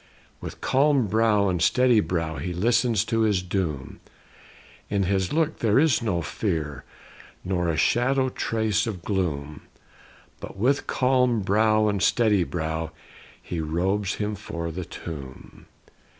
With calm brow, and steady brow, He listens to his doom; In his look there is no fear, Nor a shadow trace of gloom; But with calm brow and steady brow, He robes him for the tomb.